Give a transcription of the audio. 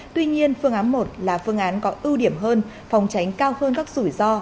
tuy nhiên phương án một là phương án có ưu điểm hơn phòng tránh cao hơn các rủi ro